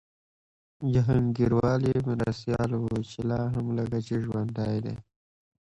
جهانګیروال یې مرستیال و چي لا هم لکه چي ژوندی دی